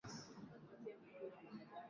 kuna viongozi wanaotakiwa kupandishwa kizimbani